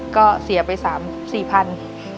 ก็เสียไปสาม๔๒๐๐๐บาท